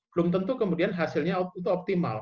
belum tentu kemudian hasilnya itu optimal